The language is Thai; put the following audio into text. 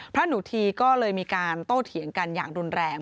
พระหนูทีก็เลยมีการโต้เถียงกันอย่างรุนแรง